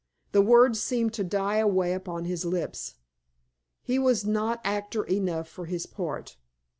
The words seemed to die away upon his lips. He was not actor enough for his part.